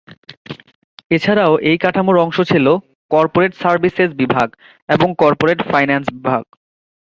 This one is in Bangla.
এছাড়াও এই কাঠামোর অংশ ছিল কর্পোরেট সার্ভিসেস বিভাগ এবং কর্পোরেট ফাইন্যান্স বিভাগ।